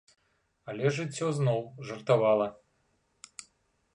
Але жыццё зноў жартавала.